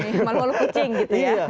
malu malu kucing gitu ya